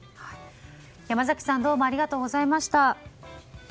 山崎さんどうもありがとうございました。